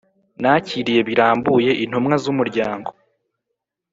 nakiriye birambuye intumwa z'umuryango